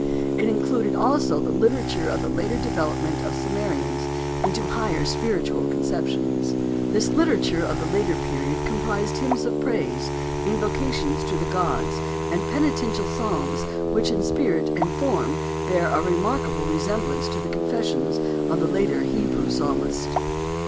It included also the literature of the later development of the Sumerians into higher spiritual conceptions. This literature of the later period comprised hymns of praise, invocations to the gods, and penitential psalms which in spirit and form bear a remarkable resemblance to the confessions of the later Hebrew psalmist.